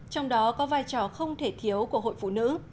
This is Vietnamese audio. trong đó có vai trò không thể thiếu của hội phụ nữ